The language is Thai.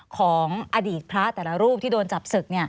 ของอดีตพระแต่ละรูปที่โดนจับศึก